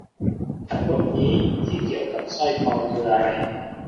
ทั้งหมดนี้ที่เกี่ยวกับสร้อยคอคืออะไร